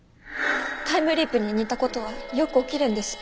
タイムリープに似た事はよく起きるんです。